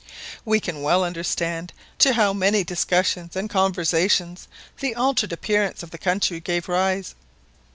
We can well understand to how many discussions and conversations the altered appearance of the country gave rise.